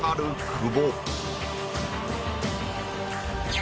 久保